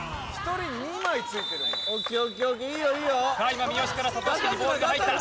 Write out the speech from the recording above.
今三好から渡嘉敷にボールが入った。